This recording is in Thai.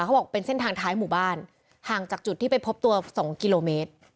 เขาบอกเป็นเส้นทางท้ายหมู่บ้านห่างจากจุดที่ไปพบตัว๒กิโลเมตร